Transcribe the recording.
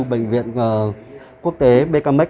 bệnh viện quốc tế bkmx